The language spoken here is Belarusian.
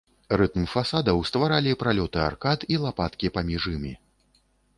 Рытм фасадаў стваралі пралёты аркад і лапаткі паміж імі.